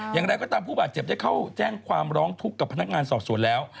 อย่างไรก็ตามผู้บาดเจ็บได้เข้าแจ้งความร้องทุกข์กับพนักงานสอบสวนแล้ว